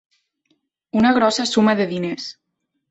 Una grossa suma de diners.